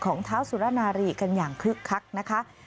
เท้าสุรนารีกันอย่างคึกคักนะคะ